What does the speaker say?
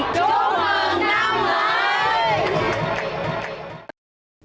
chúc mừng năm mới